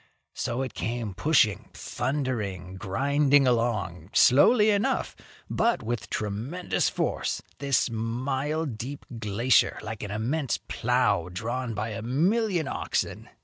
So it came pushing, thundering, grinding along slowly enough, but with tremendous force, this mile deep glacier, like an immense plow drawn by a million oxen.